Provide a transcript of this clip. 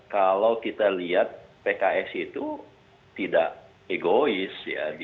kalau kita lihat pks itu tidak egois